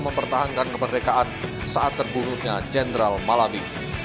mempertahankan keberdekaan saat terbunuhnya jendral malabi